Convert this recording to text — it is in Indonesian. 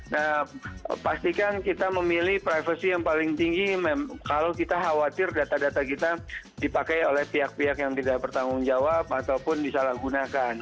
nah pastikan kita memilih privasi yang paling tinggi kalau kita khawatir data data kita dipakai oleh pihak pihak yang tidak bertanggung jawab ataupun disalahgunakan